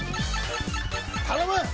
頼む！